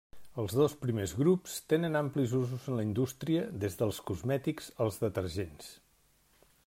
Els dos primers grups tenen amplis usos en la indústria, des dels cosmètics als detergents.